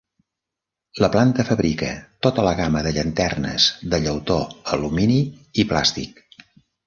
La planta fabrica tota la gamma de llanternes de llautó, alumini i plàstic.